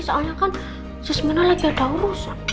soalnya kan sesemainya lagi ada urusan